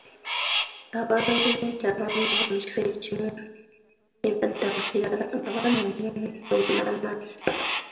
Abalunzi b'ente abamu bava mu kifo ekimu ne badda mu kirala nga banoonya omuddo n'amazzi.